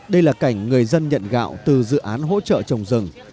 đây là cảnh người dân nhận gạo từ dự án hỗ trợ trồng rừng